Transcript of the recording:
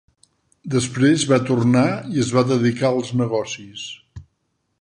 Després va tornar i es dedicà als negocis.